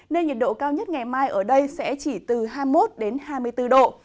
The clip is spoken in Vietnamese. nên nhiệt độ cao nhất ngày mai ở đây sẽ chỉ từ hai mươi một hai mươi bốn độ